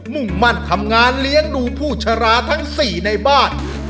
มุ่งมั่นทำงานเลี้ยงดูผู้ชราทั้ง๔ในบ้าน